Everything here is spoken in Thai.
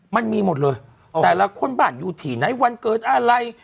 มันมีหมดเลยแต่ละคนบ้านอยู่ที่ไหนวันเกิดอะไร